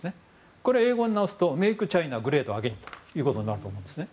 これは英語に直すとメイクチャイナグレートアゲインということなんですね。